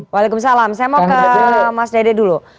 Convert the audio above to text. waalaikumsalam saya mau ke mas dede dulu